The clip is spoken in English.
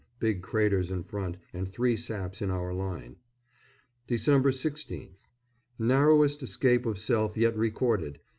Big craters in front, and three saps in our line. Dec. 16th. Narrowest escape of self yet recorded.